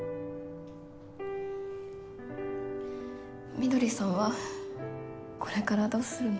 翠さんはこれからどうするの？